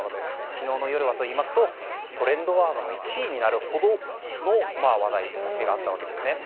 昨日の夜はトレンドワード１位になるほどの話題性があったわけですね。